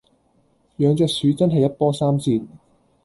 養隻鼠真係一波三折